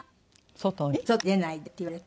「外に出ないで」って言われた？